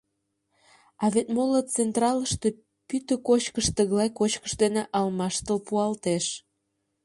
— А вет моло централыште пӱтӧ кочкыш тыглай кочкыш дене алмаштыл пуалтеш.